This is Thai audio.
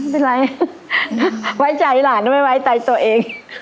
ไม่เป็นไรไว้ใจหลานไม่ไว้ใจตัวเอง